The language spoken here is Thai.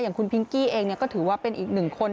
คุณพิงกี้เองก็ถือว่าเป็นอีกหนึ่งคน